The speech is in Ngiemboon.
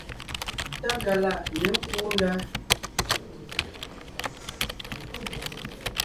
Tákaláʼ ně kúu ndá.